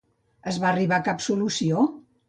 Es va arribar a cap solució?